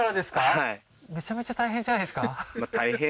はいめちゃめちゃ大変じゃないですか？